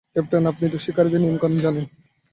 Captain, আপনি তো শিকারীদের নিয়মকানুন জানেনই।